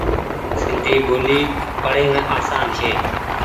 سندي ٻولي پڙيم آسان ڇي ۔